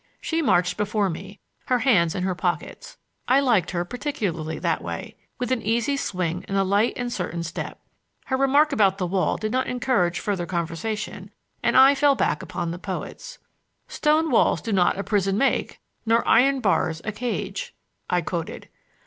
She marched before me, her hands in her pockets—I liked her particularly that way—with an easy swing and a light and certain step. Her remark about the wall did not encourage further conversation and I fell back upon the poets. "Stone walls do not a prison make, Nor iron bars a cage," I quoted.